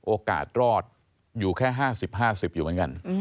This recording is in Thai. โอกาสรอดอยู่แค่๕๐๕๐อยู่เหมือนกัน